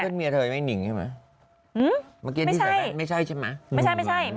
เพื่อนเมียเธอยังไม่นิ่งใช่ไหมไม่ใช่ไม่ใช่ใช่ไหมไม่ใช่